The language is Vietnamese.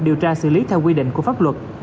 điều tra xử lý theo quy định của pháp luật